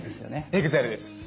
ＥＸＩＬＥです。